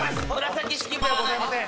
紫式部ではございません。